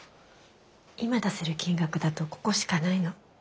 今出せる金額だとここしかないの。